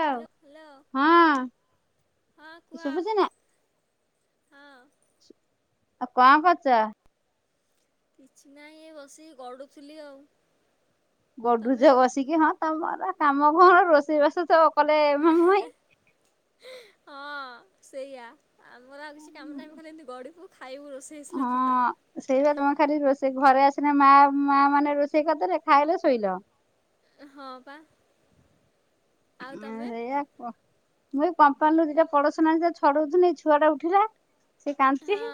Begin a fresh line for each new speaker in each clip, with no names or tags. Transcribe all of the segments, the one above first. Hello hello
ହଁ
ହଁ କୁହ।
ଶୁଭୁଛି ନା
ହଁ।
କଣ କରୁଚ?
କିଛି ନାହିଁ ଏ ବସିକି ଗଡୁଥିଲି ଆଉ। ତମେ
ଗଡୁଚ ବସିକି ହଁ ତମର ଆ କାମ କଣ ରୋଷେଇ ବାସ
[inaudible] ହଁ ସେଇଆ ଆମର ଆଉ କିଛି କାମ ନାହିଁ ଖାଲି ଗଡ଼ିବୁ ଖାଇବୁ ବସିକି।
ହଁ। ସେଇ ବା ତମ ଖାଲି ରୋଷେଇ ଘରେ ଆସିଲେ ମା ମା ମାନେ ରୋଷେଇ କରିଦେଲେ ଖାଇଲ ଶୋଇଲ।
ହଁ ପା। ଆଉ ତମେ
[unintelligible] ସେ
ହଁ
କାନ୍ଦଚି,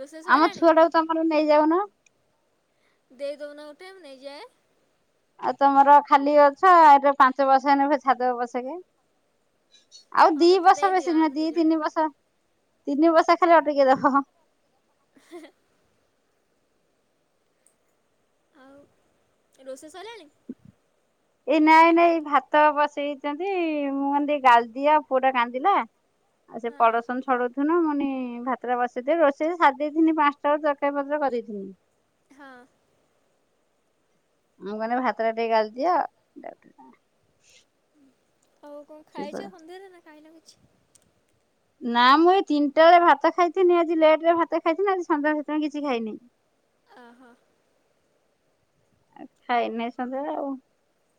ରୋଷେଇ ସଇଲାଣି
ଆମଛୁଆଟା କୁ ତମର ନେଇଯାଉ ନ।
ଦେଇ ଦୌନ ଗୋଟେ ମୁଁ ନେଇଯାଏ।
ଆଉ ତମର ଖାଲି ଅଛ ଏବେ ପାଞ୍ଚ ବର୍ଷ ହେନେ ଫେର୍ ଛାଦବ ପଛକେ। ଆଉ
ହଁ
ଦି
ମୋତେ
ବର୍ଷ
ଦେଇଦିଅ
ବେଶୀ ନୁହେଁ
ଆମେ
ଦି
ନେଇଯାଉ
ତିନି ବର୍ଷ ତିନି ବର୍ଷ ଖାଲି ଅଟକେ ଦବ।
ହେଁ ହେଁ। ଆଉ ରୋଷେଇ ସଇଲାଣି?
ଏଇ ନାଇଁ ନାଇଁ ଭାତ ବସେଇଛନ୍ତି ମୁଁ କହିନି ଟିକେ ଗାଲଦିଅ ପୁଅଟା କାନ୍ଦିଲା। ଆଉ ସେ
ହଁ
ପଡୋସନ୍ ଛଡଉଥିନୁ ମୁଁ କନୀ ଭା ତ ଟା ବସେଇଦିଏ ରୋଷେଇ ସାରିଦେଇଥିନି ପାଞ୍ଚଟାରୁ ତରକାରି ପତ୍ର କରିଦେଇଥିନି।
ହଁ।
ମୁଁ କହୀନି ଭାତ ଟିକେ ଗାଳି ଦିଅ।
ଆଉ କଁ ଖାଇଛ ସନ୍ଧ୍ୟାରେ ନା ଖାଇନ କିଛି?
ନା ମୁଁ ଏଇ ତିନିଟାଳେ ଭାତ ଖାଇଥିନି ଆଜି ଲେଟ ରେ ଭାତ ଖାଇଥିନି ଆଜି ସନ୍ଧ୍ୟାଳେ ସେଥି ପାଇଁ କିଛି ଖାଇନି।
ଅ ହ।
ଖାଇନି ସନ୍ଜଳ ଆଉ।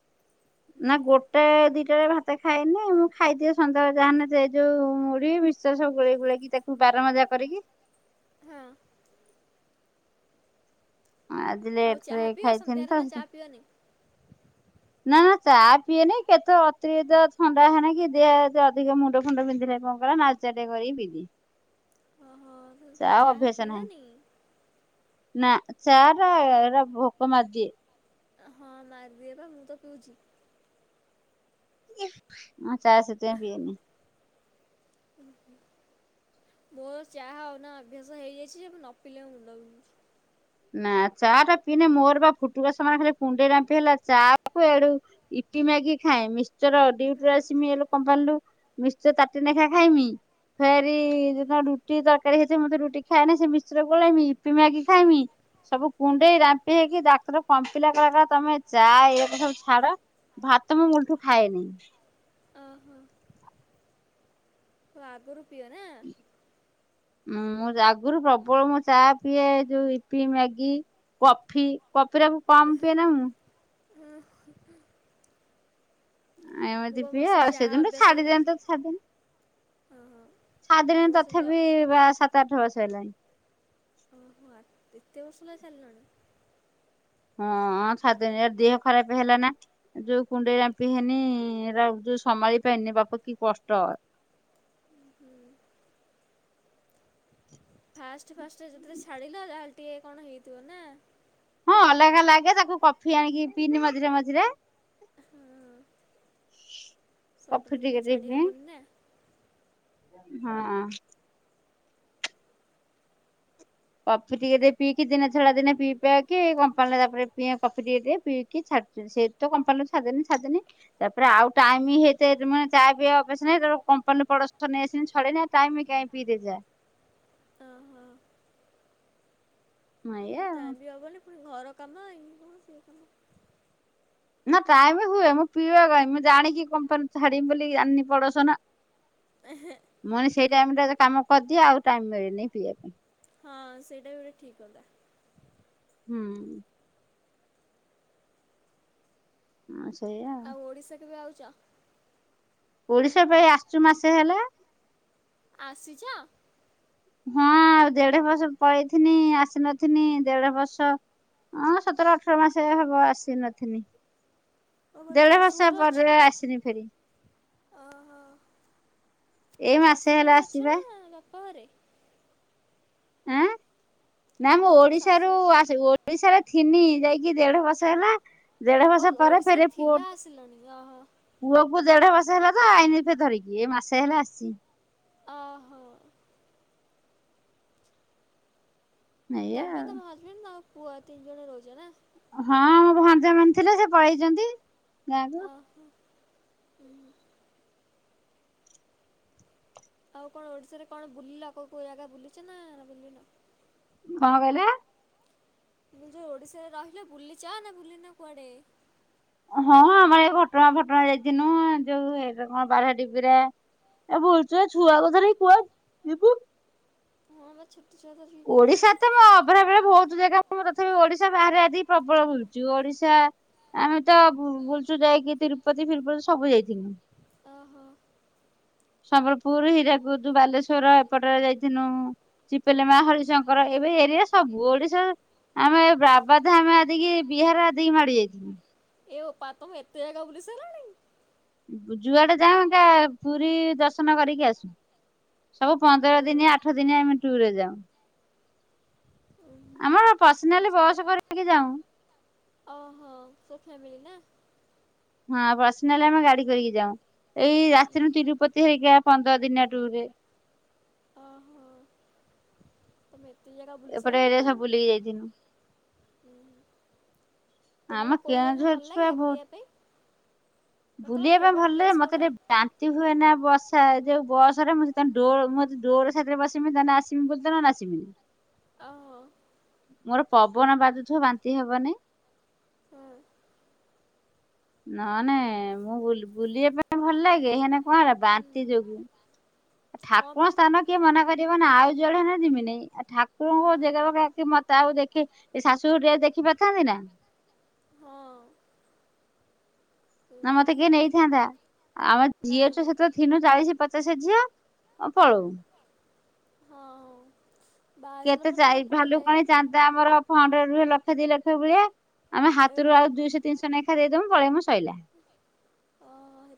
[inaudible]
ନା ଗୋଟେ ଦିଟାରେ ଭାତ ଖାଇନେ ମୁଁ ଖାଇଦିଏ ସନ୍ଜଳେ ଜାହେନେ ସେଇଯୋଉ ମୁଢି ବିସ୍ ସେ ସବୁ ଗୋଳେଇ ଗୁଳାକି ତାକୁ ବାରମଜା କରିକି।
ହଁ।
ଆଜି ଲେଟ
ଆଉ
ରେ
ଚାହା ପିଅ
ଖାଇଥିନି
ସନ୍ଧ୍ୟାରେ
ତ
ନା ଚାହା ପିଅନି?
ନା ନା ଚା ପିଏନି କେତେ ଅତିରିକ୍ତ ଥଣ୍ଡା ହେନେ କି ଦେ ଜ ଅଧିକ ମୁଣ୍ଡ ଫୁଣ୍ଡ ପିନ୍ଧିଲେ କଣ୍ କଲା ନା ଲି ଚାଟେ କରିକି ପିଦିଏ।
[inaudible]
ଚା‌
ଚାହା
ଅଭ୍ୟାସ ନାହିଁ।
ପିଅନି
ନାଁ ଚାଟା ଏରା ଭୋକ ମାର୍ଦିଏ।
ହଁ ମାର୍ଦିଏ ପା ମୁଁ ତ ପିଉଚି।
ମୁଁ ଚା ସେଥିପାଇଁ ପିଏନି।
ମୋ ଚା‌ ଉନା ଅଭ୍ୟାସ ହେଇଯାଇଛି ଯେ ମୁଁ ନ ପିଲେ ମୋ ମୁଣ୍ଡ ବିନ୍ଧୁଚୀ।
ନା ଚା ଟା ପିନେ ମୋର ବା ଫୁଟୁକା ସମାନେ ଖାଲି କୁଣ୍ଡେଇ ରାମ୍ପି ହେଲା ଚା କୁ ଏଡୁ ଇପି ମ୍ୟାଗି ଖାଏ, ମିସ୍ଚର
ହୁଁ
ଡିଉଟି ରୁ ଆସ୍ମି ଏଲେ କମ୍ପାନ୍ଲୁ। ମିଶ୍ଚର ତାଟେ ନେଖା ଖାଇମି। ଫେରି
ହୁଁ
ଯେତଳେ ରୁଟି ତର୍କାରୀ ହେଇଥିବ ମୁ ତ ରୁଟି ଖାଏନି ସେ ମିଶ୍ଚର ଗୋଳେଇମି ଇିପି ମ୍ୟାଗି ଖାଇମି। ସବୁ କୁଣ୍ଡେଇ ରାମ୍ପି ହେଇକି ଡାକ୍ତର କମ୍ପିଲା କଲା କଲା ତମେ ଚା ଏଇଆ କୁ ସବୁ ଛାଡ। ଭାତ ମୁଁ ମୁ୍ଲ୍ଠୁ ଖାଏନି।
ଅହ। ତ ଆଗରୁ ପିଅ ନାଁ।
ମୁଁ ମୋ ଆଗୁରୁ ପ୍ରବଳ ମୁଁ ଚା ପିଏ ଯୋଉ ଇପି ମ୍ୟାଗି କଫି କଫିରା କୁ
[unintelligible]
ଆ
ମୁଁ
ଏମିତି
ବା ମୋର
ପିଏ
ସେ ଚାହା
ସେଦିଠୁ
ଅଭ୍ୟାସ
ଛାଡ଼ି
ହେଇଛି
ଦେନ୍ତ ଛାଦେନି
ଓହୋ
ଛାଦେଲିଣି
ମୋର ସେମିତି
ତଥାପି ବା ସାତ ଆଠ ବର୍ସ ହେଲାଣି।
ଉଁ ହୁଁ ଆ ଏତେ ବର୍ସ ହେଲା ଛାଡ୍ଲଣି।
ହଁ ଛାଦେନି ଏ ଦେହ ଖରାପ୍ ହେଲା ନା। ଯୋଉ କୁଣ୍ଡେଇ ରାମ୍ପି ହେନେଏରା ଯୋଉ ସମାଳି ପାଇନି ବାପ କି କଷ୍ଟ?
ହୁଁ। ଫାଷ୍ଟ ଫାଷ୍ଟ ଯେତେବେଳେ ଛାଡିଲ ଯା ହେଲେ ଟିକେ କଣ୍ ହେଇଥିବ ନାଁ?
ହଁ ଅଲଗା ଲାଗେ ତାକୁ କଫି ଆଣିକି ପିଇନି ମଝିରେ ମଝିରେ।
ହଁ
କଫି
ସଡନ ଏନା
ଟିକେ ଟିକେ
ଛାଡି
ପିଏ
ହବନି ନାଁ।
ହଁ। କଫି ଟିକେ ଟିକେ ପିକି ଦିନେ ଛଡା ଦିନେ ପି ପିଆକି କମ୍ପାନରେ ତାପରେ ପିଏ କଫି ଟିକେ ପିଇକି ଛାଡିଲୁ ସେଇଠୁ ତ କମ୍ପାନୀ ରୁ ଛାଡିଦେଲି ଛାଡ଼ିଦେଲି। ତାପରେ ଆଉ ଟାଇମି ହେତେ ହେତ୍ ମାନେ ଚା ପିଇବା ଅଭ୍ୟାସରେ ନାହି ତ କମ୍ପାନୀ ରୁ ପଡ଼ସ୍ ଠ ନେଇ ଆସିମି ଛଡେଇନେ ଟାଇମି କାଇ ପିଇଦେ ଚା।
ଅ ହ।
ହଁ ଏଇଆ ଆଉ
ଟାଇମ୍ ବି ହେବନି ପୁଣି ଘର କାମ ଏଇ କାମ ସିଏ କାମ।
ନାଁ ଟାଇମି ହୁଏ ମୁଁ ପିବା ପାଈଁ ମୁ ଜାଣିଲି କମ୍ପାନୀ୍ ଛାଡ଼ିବିବୋଲି ଆଣିଲିପଡୋଷନ।
ଏହେ।
ମୁଁ କହିଲି ସେଇ ଟାଇମ ଟାରେ କାମ କରିର୍ଦିଏ ଆଉ ଟାଇମ ମିଳେନି ପିଇବା ପାଇଁ।
ହଁ ସେଇଟା ବି ଠିକ୍ କଥା।
ହଁ। ହଁ ସେଇଆ।
ଆଉ ଓଡ଼ିଶା କେବେ ଆଉଚ?
ଓଡ଼ିଶା ପା ଏଇ ଆସିଛୁ ମାସେ ହେଲା।
ଆସିଚ?
ହଁ ଆଉ ଦେଢ଼ ବର୍ଷ ପଳେଇଥିଲି ଆସି ନଥିଲି ଦେଢ଼ ବର୍ଷ ହଁ ସତର ଅଠର ମାସ ହବ ଆସି ନଥିଲି।
ଓ ମାନେ
ଦେଢ଼ ବର୍ଷ
ଶାଶୁଘରେ ଅଛି
ପରେ ଆସିଲି ପୁଣି।
ଶାଶୁ ଘରେ ଅଛ
ଆସିବା
ନା ବାପା ଘରେ?
ଆଁ ନା ମୁଁ
କହିଲି ତମେ
ଓଡ଼ିଶାରୁ
ଶାଶୁଘରେ
ଓଡ଼ିଶାରେ ଥିଲି ଯାଇକି ଦେଢ଼ ବର୍ଷ ହେଲା ଦେଢ଼
ଅ
ବର୍ଷ ପରେ ଫେର୍
ଓଡ଼ିଶାରେ
ପୁଅ
ଥିଲା ଆସିଲଣି ଓହୋ।
କୁ ଦେଢ଼ ବର୍ଷ ହେଲା ତ ଆଇନ ଫେର୍ ଧରିକି ଏଇ ମାସେ ହେଲା ଆସିଛି।
ଓହୋ।
ଏଇଆ
ତମେ,
ଆଉ
ତମ ହଜବେଣ୍ଡ, ତମ ପୁଅ ତିନି ଜଣ ରହୁଛ ନା?
ହଁ ମୋ ଭଣଜା ମାନେ ଥିଲେ ସେ ପଳେଇଛନ୍ତି ଗାଁକୁ।
ହୁଁ ହୁଁ। [unintelligible] ଆଉ କଣ ଓଡ଼ିଶାରେ କଣ ବୁଲିଲ କୋଉ କୋଉ ଜାଗା ବୁଲିଛ ନା ବୁଲିନ?
କଣ କହିଲେ?
ତମେ ଯୋଉ ଓଡ଼ିଶାରେ ରହିଲ ବୁଲିଚନା ବୁଲିନ କୁଆଡ଼େ?
ହଁ ଆମର ଏ ଘଟଗାଁ ଫଟଗା ଯାଇଥିଲୁ ଯୋଉ ଏଇଟା କଣପାରାଦିପିରେ ଏ ବୁଲିଛୁ ଏଇ ଛୁଆକୁ ଧରି କୁଆଡ଼େ ଯିବୁ?
ହଁ ପରା ଛୋଟ [unintelligible] କୁଆଡ଼େ
ଓଡ଼ିଶା
ଯିବ
ତ ମୁଁ ଅବିବାହିତ ବେଳେ ବହୁତ ଜାଗା ତଥାପି ଓଡ଼ିଶା ବାହାରେ ଆସିକି ପ୍ରବଳ ବୁଲିଛି। ଓଡ଼ିଶା ଆମେ ତ ବୁଲଛୁ ଯାଇକି ତିରୁପତି ଫିରୁପତି ସବୁ ଯାଇଥିଲୁ।
ଓହୋ।
ସମ୍ବଲପୁର, ହୀରାକୁଦ, ବାଲେଶ୍ଵର ଏପଟରେ ଯାଇଥିଲୁ ଶିପିଲି ମା। ହରିଶଙ୍କର ଏବେ ଏରିଆ ସବୁ ଓଡ଼ିଶା [unintelligible] ବିହାର ଆଦି କି ମାଡି ଯାଇଛୁ।
ଏ ବୋପା ତମେ ଏତେ ଜାଗା ବୁଲି ସାରିଲାଣି!
ଯୁଆଡ଼େ ଯାଉ ଏକା ପୁରୀ ଦର୍ଶନ କରିକି ଆସୁ। ସବୁ ପନ୍ଦର ଦିନ ଆଠ ଦିନ ଆମେ ଟୁରେ ଯାଉ। ଆମର
ତମେ
ପର୍ସନାଲି ବସ୍ କରିକି ଯାଉ।
ଓହୋଃ ସବୁ ଫ୍ୟାମିଲି ନା?
ହଁ ପର୍ସାନାଲି ଆମେ ଗାଡ଼ି କରିକି ଯାଉ ଏଇ ଆସିଥିଲୁ ତିରୁପତି ହେରିକା ପନ୍ଦର ଦିନିଆ ଟୁର୍ ରେ
ଓହୋ ତମେ ଏତେ ଜାଗା ବୁଲି
ଏପଟେ
ସାଇଲଣି ଆଉ।
[unintelligible] ଆମ
ତମକୁ କୋଉ ଜାଗା
କେଉଁଝର
ଭଲ
ଛୁଆ
ଲାଗେ
ବହୁତ
ବୁଲିବା ପାଇଁ? ମାନେ ତୁମ
ବୁଲିବା
ଫେଭରେଟ୍
ପାଇଁ ଭଲ
ପ୍ଲେସ୍
ମତେ
କେଉଁଟା
ଟିକେ ବାନ୍ତି ହୁଏ ନା ବସା ଯୋଉ ବସରେ ମୁଁ ଯଦି ଡୋ ଡୋର ସାଇଡ଼ରେ ବସିବି ତାହେଲେ ଆସି। [unintelligible]
ଓଃ।
ମୋର ପବନ ବାଜୁଥିବ ବାନ୍ତି ହବନି।
ହଁ
ନହନେ ମୁଁ ବୁଲି ବୁଲିବା ପାଇଁ ଭଲ ଲାଗେ ହେଇନ କଣ ହେଲା
ହୁଁ
ବାନ୍ତି ଯୋଗୁ
ହଁ
ଠାକୁଅ
ପା
ସ୍ଥାନ କିଏ ମନା କରିବ ନା ଆଉ ଯୁଆଡ଼େ ହେଲେ ଯିବିନି ଆଉ ଠାକୁରଙ୍କୁ
ହଁ
ଜାଗା ମତେ ଆଉ ଦେଖି ଏ ଶାଶୁ ଘର ଟି ଆଉ ଦେଖି ପାରିଥାନ୍ତି ନା?
ହଁ। ହୁଁ।
ନା ମତେ କିଏ ନେଇଥାନ୍ତା ଆମେ ଝିଅ
ନାଇଁ
ତ
ନାଇଁ
ସେତେବେଳେ ଥିଲୁ ଚାଳିଶ ପଚାଶ ଝିଅ ଆଉ ପଳଉ।
ହୁଁ ହଁ ହଁ।
କେତେ ଚାହି ଭାଲୁକାଣୀ ଚାନ୍ଦା ଆମର ଫଣ୍ଡ ରୁହେ ଲକ୍ଷେ ଦି ଲକ୍ଷ ଭଳିଆ ଆମ
ଏ
ହାତରୁ
ଓହୋ
ଆଉ ଦୁଇଶହ ତିିନିଶ ନେଖା ଦେଇଦବୁ ପଳେଇବୁ ଶଇଲା।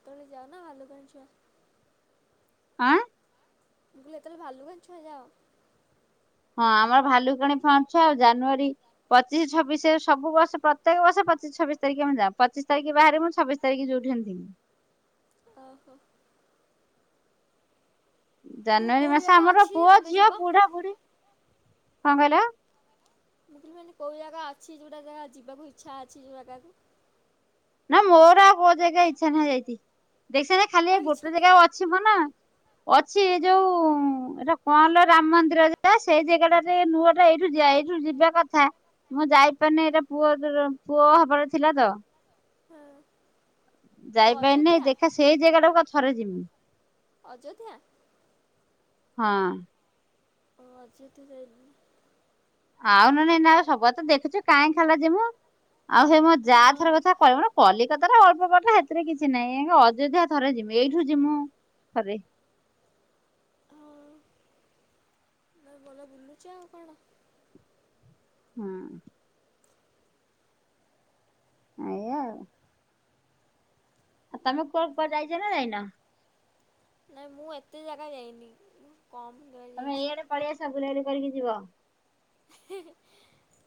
ତମେ ଯାଅ ନା ବାଲୁକୁଣି ଛୁଆ।
ଆଁ?
ମୁଁ କହିଲି ହୋତେଳେ ଭାଲୁକୁଣି ଛୁଆ ଯାଅ।
ହଁ ଆମର ଭାଲୁ କିଣି ଫଣ୍ଡ ଝୁଆ ଆଉ ଜାନୁଆରୀ ପଚିଶୀ ଛବିଶି ସବୁ ବର୍ଷ ପ୍ରତ୍ୟେକ ବର୍ଷଚିଶ ଛବିଶ ତାରିଖେ ମୁଁ ଯା ପଚିଶ ତାରିଖ ବାହାରେ ମୁଁ ଛବି ାରି ଯୋଉଠିଅନିଥାନ୍ତି [unintelligible]
ଓହୋ। ତୁ
ଜାନୁଆରୀ
କୋଉ
ମାସ
ଜାଗା
ଆମର
ଅଛି ଯେ
ପୁଅ
ତମେ
ଝିଅ
ଯିବ?
ବୁଢା ବୁଢୀ କଣ କହିଲ?
[unintelligible] କୋଉ ଜାଗା ଅଛି ଯୋଉଟା ଜାଗା ଯିବାକୁ ଇଚ୍ଛା ଅଛି ଯୋଉ ଜାଗାକୁ।
ନା ମୋର ଆଉ କୋଉ ଜାଗା ଇଚ୍ଛା ନାହିଁ ଯାଇଛି ଦେଖିସ ଯେ ଖାଲି
ଆଉ ଇଚ୍ଛା
ଗୋଟେ ଜାଗା
ନାହିଁ
ଅଛି ମ ନା। ଅଛି
ହଁ
ଯୋଉ ଏଇଟା କଣ ରାମ ମନ୍ଦିର ଯା ସେଇ ଜାଗା ଟା ଟିକେ ନୂଆଟା ଏଇଠୁ ଜାଇନୁ ଯିବା କଥା। ମୁଁ ଯାଇପାରିନି ଏଇଟା ପୁଅ ପୁଅ ହବାର ଥିଲା ତ?
ହଁ ଓ
ଯାଇପାରିନି
ଅଯୋଧ୍ୟା
ଦେଖା ସେଇ ଜାଗା ଟାକୁ କ ଥରେ ଯିମି।
ଅଯଥା।
ହଁ।
ହଁ ଆଜି ଏଠ ଯାଇନି [unintelligible]
ଆଉ ନା ନାଇଁ ନା ଆଉ ସବୁ ତ ଦେଖୁଛୁ କାଇହିଁ ଖାଲା ଯମୁ ଆଉ ସେ ମୋ ଯା
ହଁ
[unintelligible] କଲିକତାର ଅଳ୍ପବାଟ ହେଥିରେ କିଛି ନାଇଁ ଅଯୋଧ୍ୟା ଥରେ ଯିବି ଏଇଠୁ ଜୀମୁ ଥରେ।
ନାଇ ଭଲ ବୁଲୁଚି। ଚ [unintelligible]
ହୁଁ। ମୁଁ ଆଉ। ଆଉ ତମେ କୁଆଡେ କୁଆଡେ ଜାଇଛ ନା ଯାଇନ?
ନାଇଁ ମୁଁ ଏତେ ଜାଗା ଯାଇନି ମୁଁ କମ୍ ଜାଗା
ତମେ
ଯାଇଛି
ଏଇଆଡେ ପଳେଇଆସ ବୁଲା ବୁଲି କରିକି ଯିବ।
ହେଁ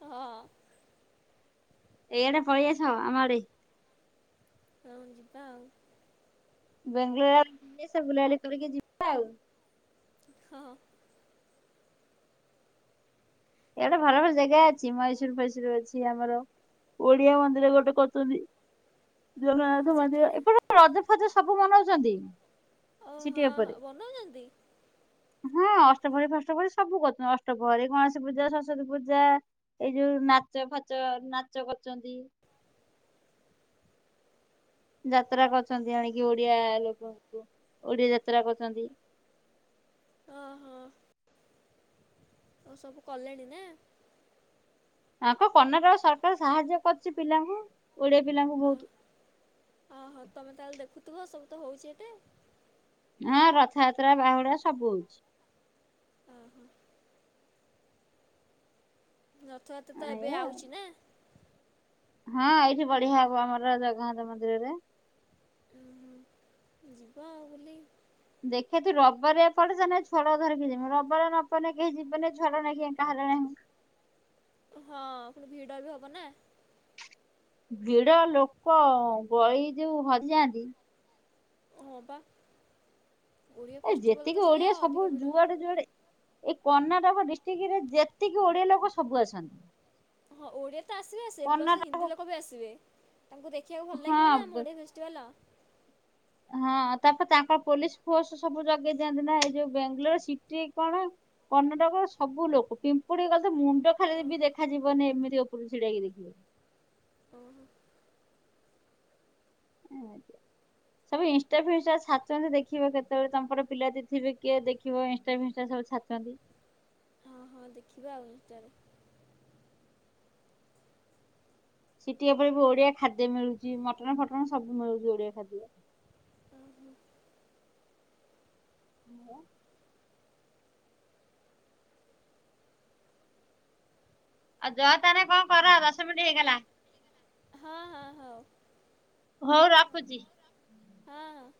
ହେଁ ହଁ।
ଏଇଆଡେ ପଳେଇ ଆସ ଆମ ଆଡେ।
ର ଯିବା ଆଉ।
ବେଙ୍ଗଲୋର ବୁଲିଆସ ବୁଲା ବୁଲି କରିକି ଯିବା ଆଉ।
ହଁ।
ଏଇଆଡେ ଭଲ ଭଲ ଜେଗା ଅଛି ମହେଶୁର ଫଏଶୁର ଅଛି ଆମର। ଓଡିଆ ମନ୍ଦିର ଗୋଟେ କରଛନ୍ତି।
ହଁ
ଜଗନ୍ନାଥ
ସେଠି
ମନ୍ଦିର
ନା
ଏପଟ ରଜ ଫଜ ସବୁ ମନଉଛନ୍ତି।
ଓହୋ
ସିଟି ଅପରେ।
ବନଉଛନ୍ତି
ହଁ ଅଷ୍ଟଭରି ଫଷ୍ଟ ଭରି ସବୁ କରୁ ଅଷ୍ଟଭରି ଗଣ ସ ପୂଜା ସରସ୍ଵତୀ ପୂଜା ଏଇ ଯୋଉ ନାଚ ଫାଚ ନାଚ କରୁଛନ୍ତି। ଯାତ୍ରା କରୁଛନ୍ତି ଆଣିକି ଓଡିଆ ଲୋକଙ୍କୁ ଓଡିଆ ଯାତ୍ରା କରୁଛନ୍ତି।
ହଁ ହଁ। ଓ ସବୁ କଲେଣି ନା?
ଆଙ୍କ କର୍ଣ୍ଣାଟକ ସରକାର ସାହାଯ୍ୟ କରୁଛି ପିଲାଙ୍କୁ ଓଡିଆ ପିଲାଙ୍କୁ ବହୁତ।
ହଁ ତମେ ତାହେଲେ ଦେଖୁଥିବ ସବୁ ତ ହଉଛି ଏଠେ।
ହଁ ରଥଯାତ୍ରା ବାହୁଡା ସବୁ ହଉଛି।
ଓହୋ ରଥଯାତ୍ରା ତ ଏବେ
ଏଇଆ ଆଉ।
ଆଉଛି ନା?
ହଁ ଏଇଠି ବଢିଆ ହବ ଆମର ଜଗନ୍ନାଥ ମନ୍ଦିରରେ।
ଉଁ ହୁଁ। ହଁ ବୁଲି।
ଦେଖିଆ ତୁ ରବିବାରିଆ ପଡେ ତାହାନେ ଏ ଛୁଆ ଧରିକି ଯିବି ରବିବାର ନ ପଡେ କେହି ଯିବେନେଇ ଏଛୁଆଟାକୁ ନେଇ ଏକା ହାଇରାଣ ହେମି।
ହଁ ପୁଣି ଭିଡ ବି ହବ ନା?
ଭିଡ ଲୋକ ଗଳି ଯୋଉ ହଜିଯାଆନ୍ତି
ହଁ ପା ଓଡିଆ
ଏ
ଫେଷ୍ଟିଭାଲ୍
ଯେତିକି
ତ
ଓଡିଆ
ସେଇଆ
ସବୁ
ଅଧିକ ଭିଡ
ଯୁଆଡେ
ହେବେ।
ଯୁଆଡେ ଏଇ କର୍ଣ୍ଣାଟକ ଡିଷ୍ଟିକ୍ ରେ ଯେତିକି ଓଡିଆ ଲୋକ ସବୁ ଆସନ୍ତି।
ହଁ ଓଡିଆ ତ ଆସିବେ ଆସିବେ ପ୍ଲସ ହିନ୍ଦୀ
କର୍ଣ୍ଣାଟକ
ଲୋକ ବି ଆସିବେ ତାଙ୍କୁ ଦେଖିବାକୁ ଭଲ ଲାଗିବ ନା ଆମ
ହଁ
ଓଡିଆ ଫେସ ଚେଲ।
ହଁ ତାପରେ ତାଙ୍କର ପୋଲିସ ଫୋର୍ସ ସବୁ ଜଗେଇ ଦିଅନ୍ତି ନା ଏଇ ଯୋଉ ବେଙ୍ଗଲୋର ସିଟି କଣ କର୍ଣ୍ଣାଟକର ସବୁ ଲୋକ ପିମ୍ପୁଡି ଗଲେ ମୁଣ୍ଡ ଖାଲି ବି ଦେଖାଯିବନି ଏମିତି ଓପରୁ ଛିଡାହେଇକି ଦେଖିବେ।
ଓହୋ।
ଦେଖିବେ।
[inaudible]
ସବୁ ଇଷ୍ଟା ଫିଷ୍ଟା ଛାଡିଛନ୍ତି ଦେଖିବ କେତେବେଳେ ତମ ପଟ ପିଲା ଯଦି ଥିବେ କିଏ ଦେଖି ଖିବ ଇନଷ୍ଟା ଫିଷ୍ଟା ସବୁ ଛାଡ଼ିଛନ୍ତି।
ହଁ ହଁ ଦେଖିବା ଆଉ ଇଷ୍ଟାରେ।
ସିଟି ଓପରେ ବି ଓଡିଆ ଖାଦ୍ୟ ମିଳୁଛି ମଟନ ଫଟନ ସବୁ ମିଳୁଛି ଓଡିଆ ଖାଦ୍ୟ।
ଉଁ, ହୁଁ।
ମୁଁ ଆଉ ଜଅ ତାହାନେ କଣ କର ଦଶ ମିଣ୍ଟି ହେଇଗଲା।
ହଁ, ହଁ, ହଉ।
ହଉ ରଖୁଛି।
ହଁ ହଁ